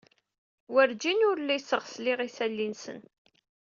Werǧin uliseɣ sliɣ isali-nsen.